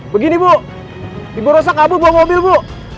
begini bu ibu rosa kabur bawa mobil bu